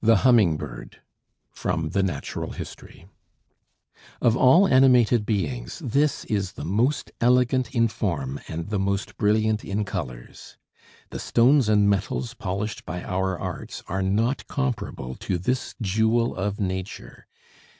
THE HUMMING BIRD From the 'Natural History' Of all animated beings this is the most elegant in form and the most brilliant in colors. The stones and metals polished by our arts are not comparable to this jewel of Nature.